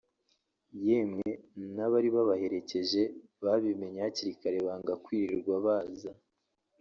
yemwe n’abari babaherekeje babimenye hakiri kare banga kwirirwa baza